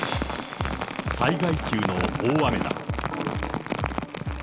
災害級の大雨だ。